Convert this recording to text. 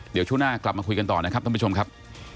เดี๋ยวช่วงหน้ากลับมาคุยกันต่อนะครับท่านผู้ชมครับ